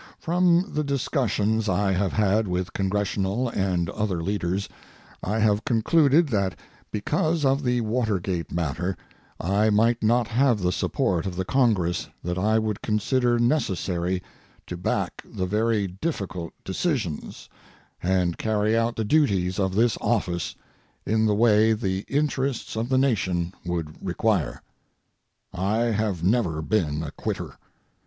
From the discussions I have had with Congressional and other leaders, I have concluded that because of the Watergate matter I might not have the support of the Congress that I would consider necessary to back the very difficult decisions and carry out the duties of this office in the way the interests of the Nation would require. I have never been a quitter.